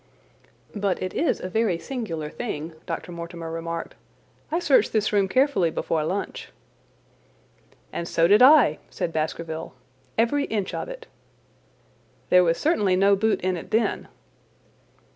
"But it is a very singular thing," Dr. Mortimer remarked. "I searched this room carefully before lunch." "And so did I," said Baskerville. "Every inch of it." "There was certainly no boot in it then."